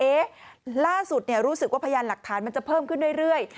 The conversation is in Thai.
ล่าสุดรู้สึกว่าพยานหลักฐานมันจะเพิ่มขึ้นเรื่อย